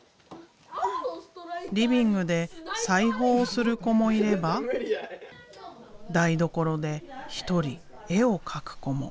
リビングで裁縫をする子もいれば台所で一人絵を描く子も。